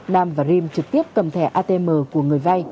nam và dream trực tiếp cầm thẻ atm của người vay